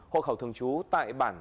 hộ khẩu thường chú tại bản